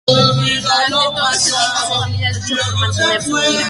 Durante todo ese tiempo su familia luchó por mantenerse unida.